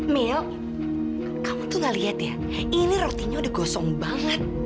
mil kamu tuh ngelihat ya ini rotinya udah gosong banget